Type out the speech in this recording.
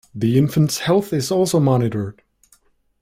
The infant's health is also monitored.